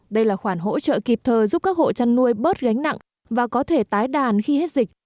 đây là khoản hỗ trợ kịp thời giúp các hộ chăn nuôi bớt gánh nặng và có thể tái đàn khi hết dịch